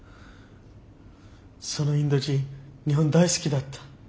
そのインド人日本大好きだった。